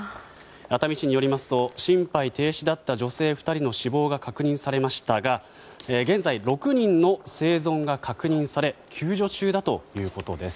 熱海市によりますと心肺停止だった女性２人の死亡が確認されましたが現在６人の生存が確認され救助中だということです。